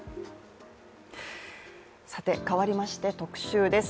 さて、かわりまして特集です。